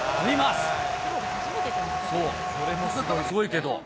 すごいけど。